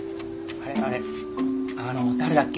あれあれあの誰だっけ？